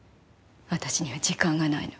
私には時間がないの。